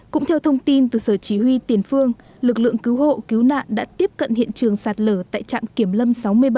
cũng theo thông tin từ sở chí huy tiền phương lực lượng cứu hộ cứu nạn đã tiếp cận hiện trường sạt lở tại trạm kiểm lâm sáu mươi bảy